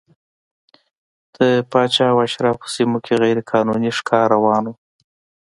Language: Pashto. د پاچا او اشرافو سیمو کې غیر قانوني ښکار روان و.